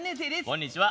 こんにちは。